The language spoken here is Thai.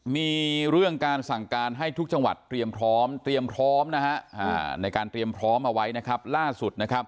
มีเรื่องการสั่งการให้ทุกจังหวัดเตรียมพร้อมในการเตรียมพร้อมเอาไว้ล่าสุด